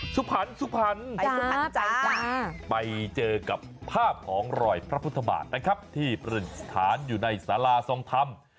สุพรรณสุพรรณไปเจอกับภาพของรอยพระพุทธบาทนะครับที่เปิดสถานอยู่ในศาลาทรงธรรม